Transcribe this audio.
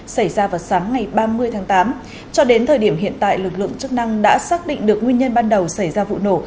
xảy ra vào sáng ngày ba mươi tháng tám cho đến thời điểm hiện tại lực lượng chức năng đã xác định được nguyên nhân ban đầu xảy ra vụ nổ